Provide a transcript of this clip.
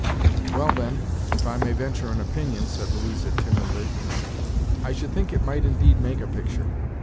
"Well, then, if I may venture an opinion," said Louisa timidly, "I should think it might indeed make a picture.